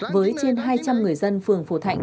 với trên hai trăm linh người dân phường phổ thạnh